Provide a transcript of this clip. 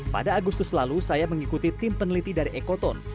pada agustus lalu saya mengikuti tim peneliti dari ekoton